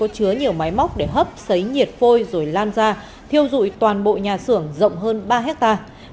chứa nhiều máy móc để hấp xấy nhiệt phôi rồi lan ra thiêu dụi toàn bộ nhà xưởng rộng hơn ba hectare